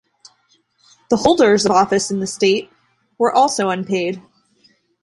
The holders of office in the State were also unpaid.